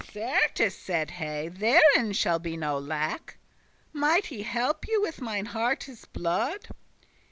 "Certes," said he, "therein shall be no lack, Might I you helpe with mine hearte's blood."